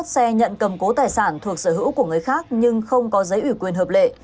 sáu mươi một xe nhận cầm cố tài sản thuộc sở hữu của người khác nhưng không có giấy ủy quyền hợp lệ